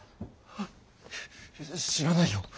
あ知らないよ。